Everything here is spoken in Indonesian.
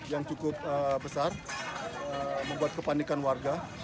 yang cukup besar membuat kepanikan warga